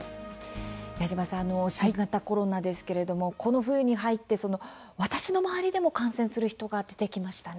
矢島さん新型コロナですけれどもこの冬に入って私の周りでも感染する人が出てきましたね。